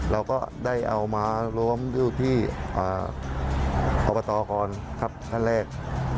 เราก็ได้เอามารวมอยู่ที่อบตก่อนครับท่านแรก